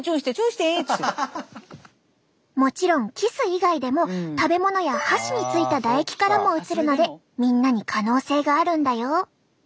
もちろんキス以外でも食べ物や箸についた唾液からもうつるのでみんなに可能性があるんだよ。